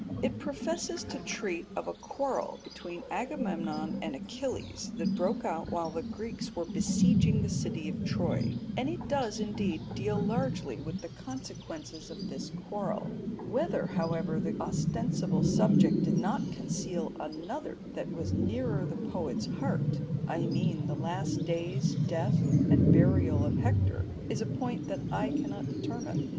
It professes to treat of a quarrel between Agamemnon and Achilles that broke out while the Greeks were besieging the city of Troy, and it does, indeed, deal largely with the consequences of this quarrel; whether, however, the ostensible subject did not conceal another that was nearer the poet's heart I mean the last days, death, and burial of Hector is a point that I cannot determine.